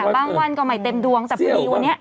บางวันก็มีเต็มดวงแต่วันนี้